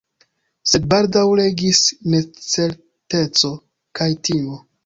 Sed baldaŭ regis necerteco kaj timo.